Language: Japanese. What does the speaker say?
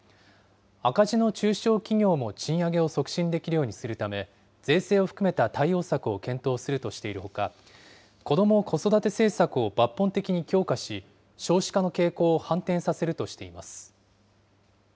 赤字の中小企業も賃上げを促進できるようにするため、税制を含めた対応策を検討するとしているほか、子ども・子育て政策を抜本的に強化し、少子化の傾向を反転させるとしています。